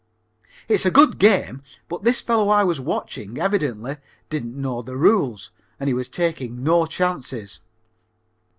It's a good game, but this fellow I was watching evidently didn't know the rules and he was taking no chances.